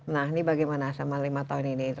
nah ini bagaimana selama lima tahun ini